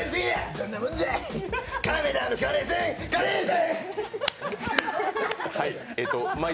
どんなもんじゃい。